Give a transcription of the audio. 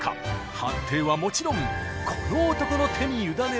判定はもちろんこの男の手に委ねられます。